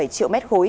sáu bảy triệu m ba